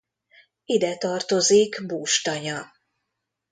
Ide tartozik Bús-tanya.